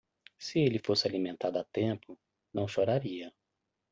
Se ele fosse alimentado a tempo, não choraria.